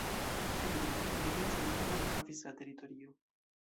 Ekde tiam diversajn nomojn havis la teritorio.